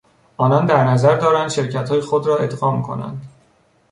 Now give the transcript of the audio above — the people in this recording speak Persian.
آنان در نظر دارند شرکتهای خود را ادغام کنند.